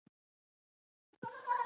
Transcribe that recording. خپل عصر پوهنو اعتبار ورکول دي.